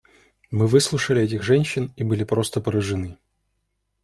Мы выслушали этих женщин и были просто поражены.